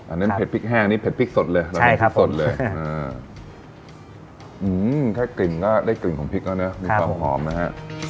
อันนั้นเผ็ดพริกแห้งนี่เผ็ดพริกสดเลยแล้วก็พริกสดเลยแค่กลิ่นก็ได้กลิ่นของพริกแล้วนะมีความหอมนะฮะ